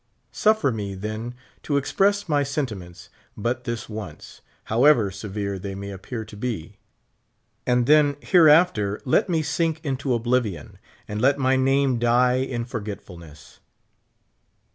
Suffer me, then, to ex press my sentiments but this once, however severe they may appear to be, and then hereafter let me sink into oblivion, and let my name die in forgetfulness.